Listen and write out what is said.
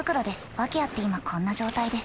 訳あって今こんな状態です。